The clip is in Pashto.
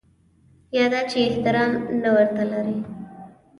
یا دا چې احترام نه ورته لري.